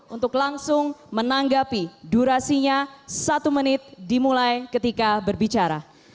untuk langsung menanggapi durasinya satu menit dimulai ketika berbicara